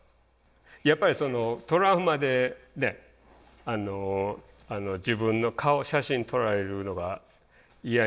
やっぱりそのトラウマで自分の顔写真撮られるのが嫌になって。